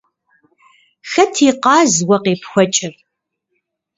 Хэт и къаз уэ къепхуэкӏыр?